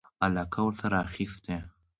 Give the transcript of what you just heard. علاقه ورسره اخیسته.